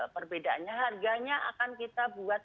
perbedaannya harganya akan kita buat